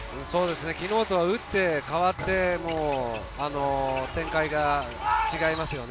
昨日とはうって変わって、展開が違いますよね。